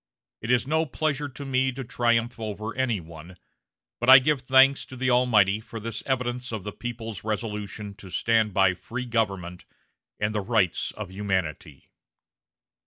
It is no pleasure to me to triumph over any one, but I give thanks to the Almighty for this evidence of the people's resolution to stand by free government and the rights of humanity."